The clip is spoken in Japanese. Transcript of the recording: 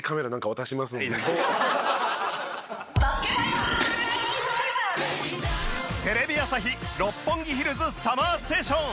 『バスケ☆ＦＩＶＥ』のテレビ朝日・六本木ヒルズＳＵＭＭＥＲＳＴＡＴＩＯＮ。